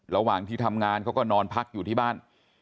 ระหว่างที่ทำงานเขาก็นอนพักอยู่ที่บ้าน